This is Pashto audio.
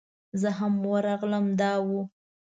زه هم ورغلم دا و.